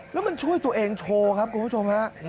แล้วมันช่วยตัวเองโชว์ครับคุณผู้ชมฮะ